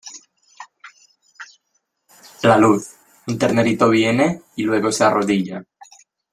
La luz; un ternerito viene, y luego se arrodilla.